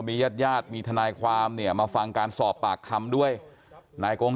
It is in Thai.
ญาติญาติมีทนายความเนี่ยมาฟังการสอบปากคำด้วยนายกง